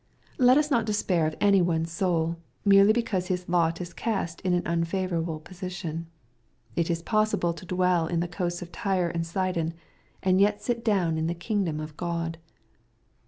Let us not despair of any one's soul, merely because his lot is cast in an unfavorahle position. It is possible to dwell in the coasts of Tyre and Sidon, and yet sit down in the kingdom of God.